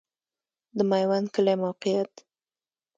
د میوند کلی موقعیت